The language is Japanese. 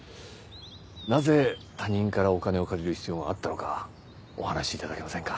なぜ他人からお金を借りる必要があったのかお話し頂けませんか？